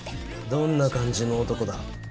どんな感じの男だ？